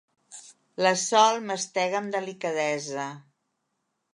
La Sol mastega amb delicadesa.